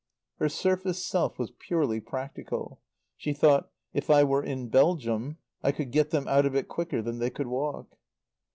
Her surface self was purely practical. She thought: "If I were in Belgium I could get them out of it quicker than they could walk."